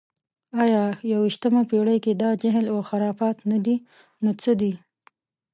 ایا په یویشتمه پېړۍ کې دا جهل و خرافات نه دي، نو څه دي؟